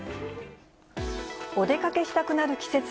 お出かけしたくなる季節。